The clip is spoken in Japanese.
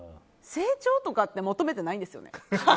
成長とか求めてないんですよ。